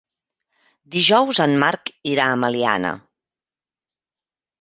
Dijous en Marc irà a Meliana.